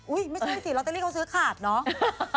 ไม่ใช่สิลอตเตอรี่เขาซื้อขาดเนอะ